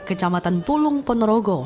kecamatan pulung ponorogo